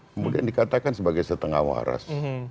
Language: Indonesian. kemudian dikatakan sebagai setengah waras